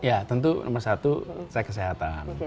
ya tentu nomor satu cek kesehatan